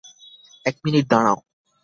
এক মিনিট দাঁড়াও।